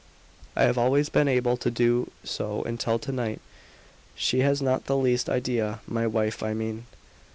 "I have always been able to do so until to night. She has not the least idea my wife, I mean."